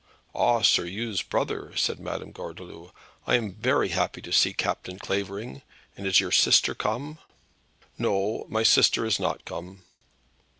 "Ah, Sir Oo's brother," said Madam Gordeloup. "I am very glad to see Captain Clavering; and is your sister come?" "No; my sister is not come."